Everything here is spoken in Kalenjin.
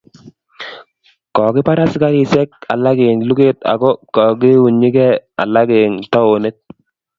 kokipar askarisiek alak eng' luket ako kokiunygei alak eng' townit